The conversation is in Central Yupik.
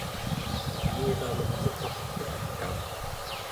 keniramek uquq pugtaa